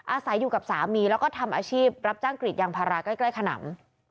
อาศัยอยู่กับสามีแล้วก็ทำอาชีพรับจ้างกรีดยางพาราใกล้ขนำ